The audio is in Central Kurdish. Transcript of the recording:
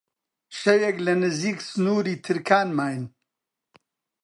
شەوێک لە نزیک سنووری ترکان ماین